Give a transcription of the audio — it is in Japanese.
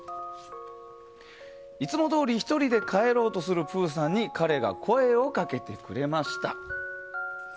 いつもどおり、１人で帰ろうとする、ぷぅさんに彼が声をかけてくれました。